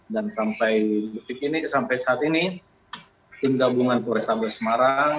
dan sampai saat ini tim gabungan koresambil semarang